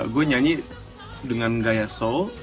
gue nyanyi dengan gaya soul